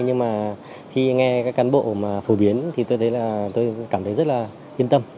nhưng mà khi nghe các cán bộ phổ biến thì tôi cảm thấy rất là yên tâm